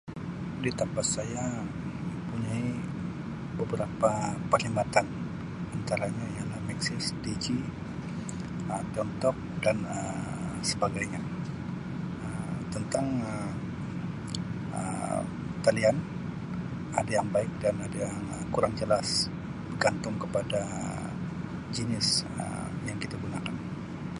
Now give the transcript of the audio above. Di tempat saya mempunyai beberapa perkhidmatan. Antaranya ialah Maxis, Digi, Um TuneTalk dan Um sebagainya. Um Tentang Um talian ada yang baik dan ada kurang jelas bergantung kepada jinis Um yang kita gunakan.